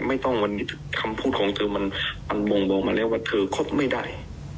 ไม่ต้องวันนี้คำพูดของเธอมันบ่งบอกมาแล้วว่าเธอคบไม่ได้